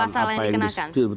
soal pasal yang dikenakan